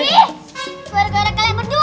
nih gara gara kalian berdua nih